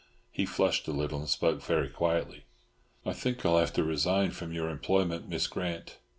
He flushed a little, and spoke very quietly. "I think I'll have to resign from your employment, Miss Grant.